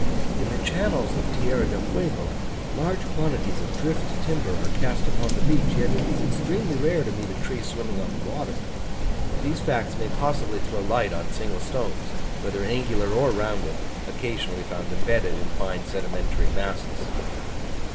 In the channels of Tierra del Fuego large quantities of drift timber are cast upon the beach, yet it is extremely rare to meet a tree swimming on the water. These facts may possibly throw light on single stones, whether angular or rounded, occasionally found embedded in fine sedimentary masses.